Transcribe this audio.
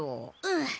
うん。